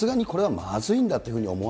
まずいんだ。